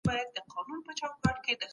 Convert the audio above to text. شکره کنټرول کړه